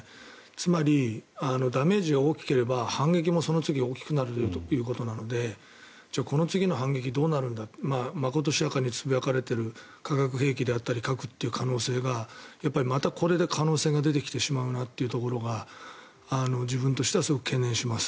つまり、ダメージが大きければ反撃もその次大きくなるということなのでこの次の反撃はどうなるんだとまことしやかにつぶやかれている化学兵器であったり核という可能性が、またこれで可能性が出てきてしまうなというところが自分としては懸念します。